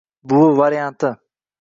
“Buvi” varianti.